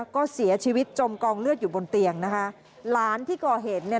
ก็เสียชีวิตจมกองเลือดอยู่บนเตียงนะคะหลานที่ก่อเหตุเนี่ย